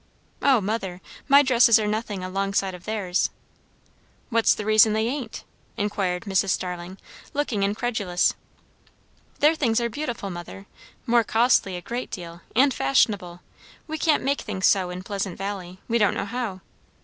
"O, mother, my dresses are nothing alongside of theirs." "What's the reason they ain't?" inquired Mrs. Starling, looking incredulous. "Their things are beautiful, mother; more costly a great deal; and fashionable. We can't make things so in Pleasant Valley. We don't know how."